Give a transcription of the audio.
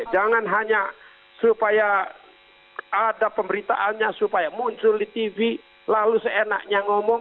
jangan hanya supaya ada pemberitaannya supaya muncul di tv lalu seenaknya ngomong